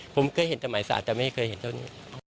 ผมเคยเห็นสมัยศาสตร์แต่ไม่เคยเห็นเท่านี้